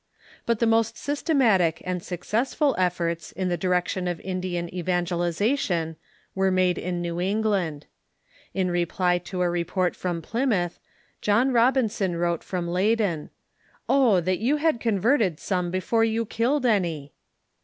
But the most systematic and successful efforts in the direction of Indian evangelization were made in New England. In reply to a report from Plymouth, John Robinson wrote from Leyden : "Oh, that you had converted some before you killed any!'